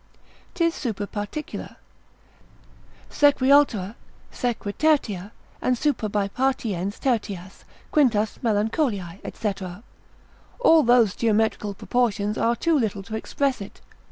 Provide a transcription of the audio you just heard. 'Tis superparticular, sesquialtera, sesquitertia, and superbipartiens tertias, quintas Melancholiae, &c. all those geometrical proportions are too little to express it.